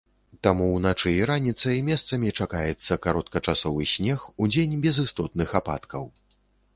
Таму ўначы і раніцай месцамі чакаецца кароткачасовы снег, удзень без істотных ападкаў.